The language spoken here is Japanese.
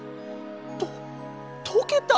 ととけた！？